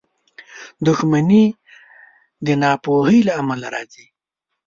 • دښمني د ناپوهۍ له امله راځي.